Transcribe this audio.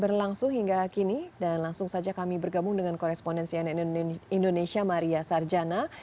berlangsung hingga kini dan langsung saja kami bergabung dengan korespondensian indonesia maria sarjana